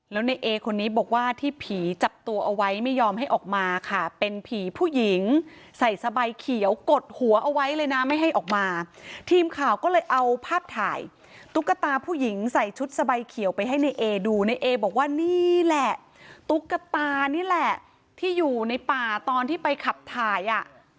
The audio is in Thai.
แล้วในเอคนนี้บอกว่าที่ผีจับตัวเอาไว้ไม่ยอมให้ออกมาค่ะเป็นผีผู้หญิงใส่สบายเขียวกดหัวเอาไว้เลยนะไม่ให้ออกมาทีมข่าวก็เลยเอาภาพถ่ายตุ๊กตาผู้หญิงใส่ชุดสบายเขียวไปให้ในเอดูในเอบอกว่านี่แหละตุ๊กตานี่แหละที่อยู่ในป่าตอนที่ไปขับถ่ายอ่ะ